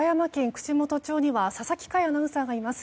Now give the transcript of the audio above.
串本町には佐々木快アナウンサーがいます。